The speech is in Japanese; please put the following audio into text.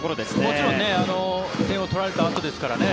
もちろん点を取られたあとですからね